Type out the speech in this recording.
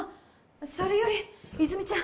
それより泉ちゃん